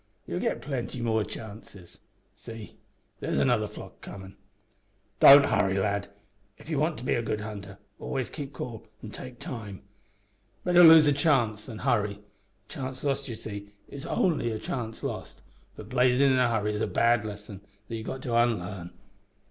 You'll git plenty more chances. See, there's another flock comin'. Don't hurry, lad. If ye want to be a good hunter always keep cool, an' take time. Better lose a chance than hurry. A chance lost you see, is only a chance lost, but blazin' in a hurry is a bad lesson that ye've got to unlarn."